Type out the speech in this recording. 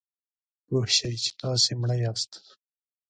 پوه شئ چې تاسو مړه یاست .